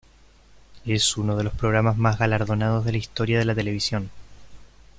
Es uno de los programas más galardonados de la historia de la televisión.